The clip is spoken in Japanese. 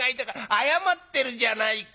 謝ってるじゃないか。